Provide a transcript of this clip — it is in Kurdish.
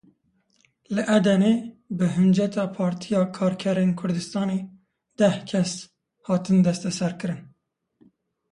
Li Edenê bi hinceta Partiya Karkerên Kurdistanê deh kes hatin desteserkirin.